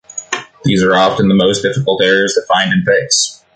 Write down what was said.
These are often the most difficult errors to find and fix.